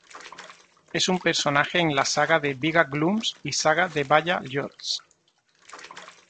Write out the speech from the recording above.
Es un personaje en la "saga de Víga-Glúms", y "saga de Valla-Ljóts".